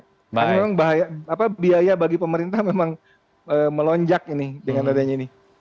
karena memang bahaya biaya bagi pemerintah memang melonjak ini dengan adanya ini